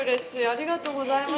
ありがとうございます。